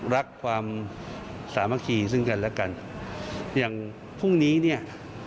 รักความสามัคคีซึ่งกันและกันอย่างพรุ่งนี้เนี่ย